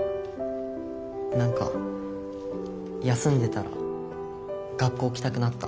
何か休んでたら学校来たくなった。